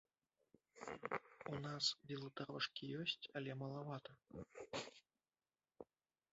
У нас веладарожкі ёсць, але малавата.